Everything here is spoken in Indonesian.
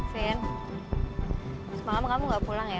finn semalam kamu nggak pulang ya